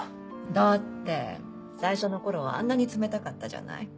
だって最初の頃はあんなに冷たかったじゃない。